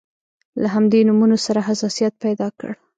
له همدې نومونو سره حساسیت پیدا کړ.